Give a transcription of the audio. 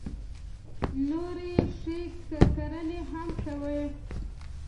نورې ښې کړنې هم کوي.